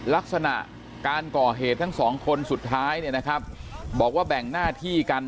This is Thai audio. ลักษณะการก่อเหตุทั้งสองคนสุดท้ายเนี่ยนะครับบอกว่าแบ่งหน้าที่กัน